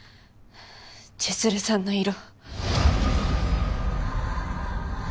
千弦さんの色。